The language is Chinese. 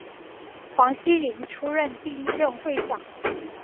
黄锡麟出任第一任会长。